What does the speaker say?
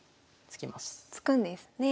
突くんですね。